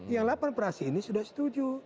yang delapan praksi ini sudah setuju